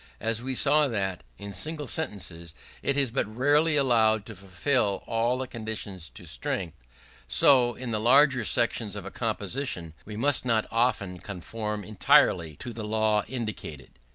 As we saw that, in single sentences, it is but rarely allowable to fulfill all the conditions to strength; so, in the larger sections of a composition we must not often conform entirely to the law indicated.